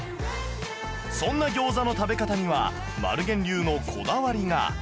そんな餃子の食べ方には丸源流のこだわりが